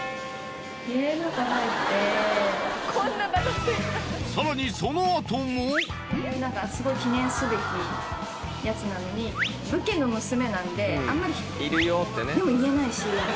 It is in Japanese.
芸能界入ってさらにそのあともすごい記念すべきやつなのに武家の娘なんであんまりでも言えないし